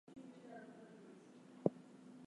There are many variants of jaguar dances.